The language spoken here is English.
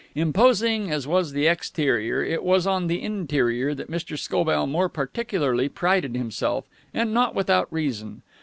Imposing as was the exterior, it was on the interior that Mr. Scobell more particularly prided himself, and not without reason.